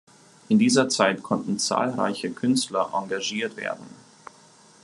In dieser Zeit konnten zahlreiche Künstler engagiert werden.